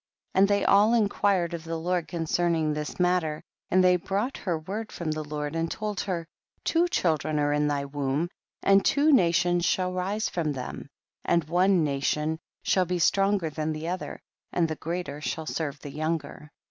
12. And they all inquired of the Lord concerning this matter, and they brought her word from the Lord and told her, two children are in thy womb, and two nations shall rise from them ; and one nation shall be stronger than the otlier, and the greater shall serve the younger.